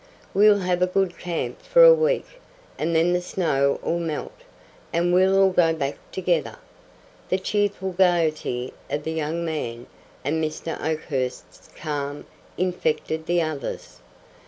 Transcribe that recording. "We'll have a good camp for a week, and then the snow'll melt, and we'll all go back together." The cheerful gaiety of the young man, and Mr. Oakhurst's calm, infected the others.